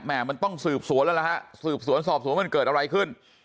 มันต้องสืบสวนแล้วล่ะฮะสืบสวนสอบสวนมันเกิดอะไรขึ้น